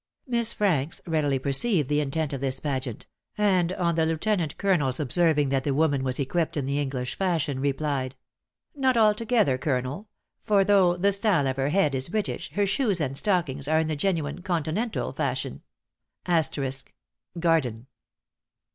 Miss Franks readily perceived the intent of this pageant; and on the lieutenant colonel's observing that the woman was equipped in the English fashion, replied, "Not altogether, colonel; for though the style of her head is British, her shoes and stockings are in the genuine continental fashion!" Garden.